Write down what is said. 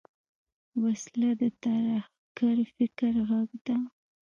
وسله د ترهګر فکر غږ ده